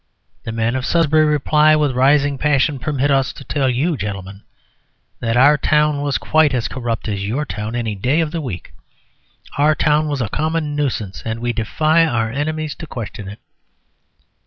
The men of Sudbury reply with rising passion, "Permit us to tell you, gentlemen, that our town was quite as corrupt as your town any day of the week. Our town was a common nuisance; and we defy our enemies to question it."